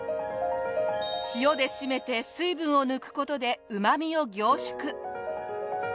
塩で締めて水分を抜く事でうまみを凝縮。